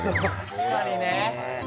確かにね